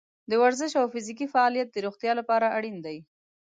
د ورزش او فزیکي فعالیت د روغتیا لپاره اړین دی.